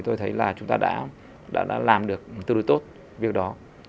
tôi thấy là chúng ta đã làm được tương đối tốt việc đó